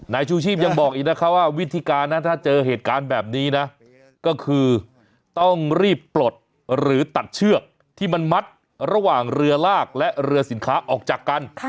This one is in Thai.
ชูชีพยังบอกอีกนะคะว่าวิธีการนะถ้าเจอเหตุการณ์แบบนี้นะก็คือต้องรีบปลดหรือตัดเชือกที่มันมัดระหว่างเรือลากและเรือสินค้าออกจากกัน